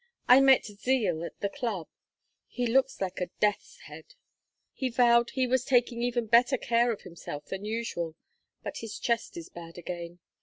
I met Zeal at the club. He looks like a death's head. He vowed he was taking even better care of himself than usual, but his chest is bad again.